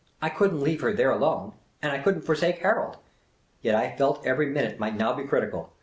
I could n't leave her there alone, and I could n't forsake Harold. Yet I felt every minute might now be critical.